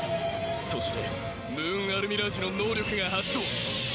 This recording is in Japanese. そしてムーンアルミラージの能力が発動。